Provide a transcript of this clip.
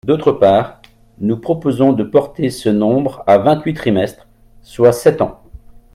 D’autre part, nous proposons de porter ce nombre à vingt-huit trimestres, soit sept ans.